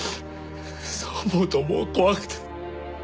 そう思うともう怖くて。